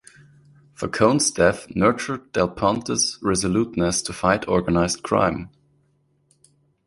Falcone's death nurtured Del Ponte's resoluteness to fight organised crime.